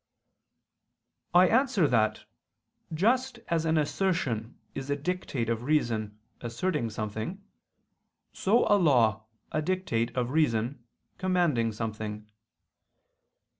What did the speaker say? I answer that, Just as an assertion is a dictate of reason asserting something, so is a law a dictate of reason, commanding something.